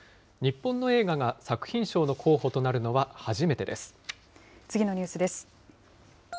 日本の映画が作品賞の候補となる次のニュースです。